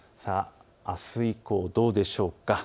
あす以降、どうでしょうか。